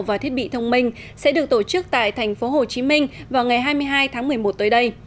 và thiết bị thông minh sẽ được tổ chức tại thành phố hồ chí minh vào ngày hai mươi hai tháng một mươi một tới đây